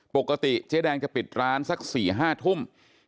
เจ๊แดงจะปิดร้านสัก๔๕ทุ่ม